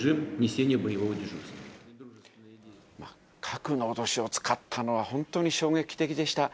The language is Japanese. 核の脅しを使ったのは、本当に衝撃的でした。